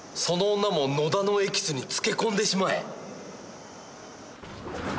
その女も野田のエキスに漬け込んでしまえ！